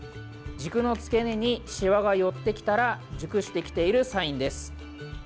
軸の付け根にしわが寄ってきたら熟してきているサインです。